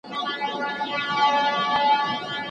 هرځل چې زده کړه عامه شي، فکري وروسته پاتې کېدل دوام نه کوي.